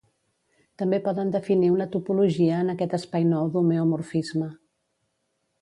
També poden definir una topologia en aquest espai nou d'homeomorfisme.